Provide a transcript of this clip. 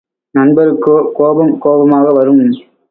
நண்பருக்கோ கோபம் கோபமாக வரும்.